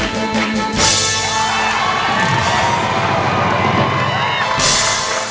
ร้องได้ให้ร้อง